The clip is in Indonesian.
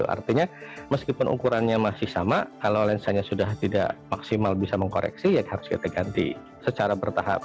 artinya meskipun ukurannya masih sama kalau lensanya sudah tidak maksimal bisa mengkoreksi ya harus kita ganti secara bertahap